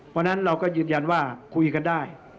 เพราะฉะนั้นเราก็ยืนยันว่าคุยกันได้